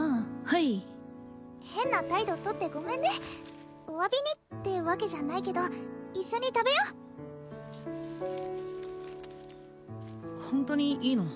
はい変な態度とってごめんねお詫びにってわけじゃないけど一緒に食べようホントにいいの？